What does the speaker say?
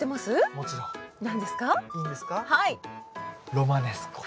ロマネスコ。